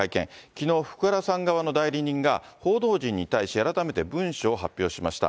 きのう、福原さん側の代理人が、報道陣に対し、改めて文書を発表しました。